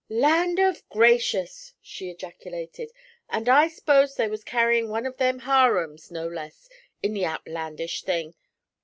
'Land of gracious!' she ejaculated, 'and I s'posed they was carrying one of them harums, no less, in the outlandish thing!'